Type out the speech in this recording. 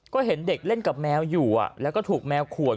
ก็เห็นเด็กเล่นกับแมวอยู่แล้วก็ถูกแมวขวด